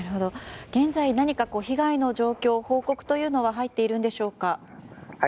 現在、何か被害の状況、報告というのは入っているんでしょうか。